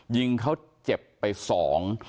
ยิงเขาเจ็บไปสอง